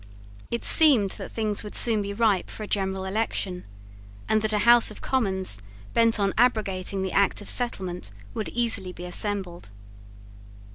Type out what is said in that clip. It seemed that things would soon be ripe for a general election, and that a House of Commons bent on abrogating the Act of Settlement would easily be assembled.